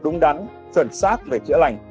đúng đắn chuẩn xác về chữa lành